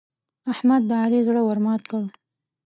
احمد د علي زړه ور مات کړ.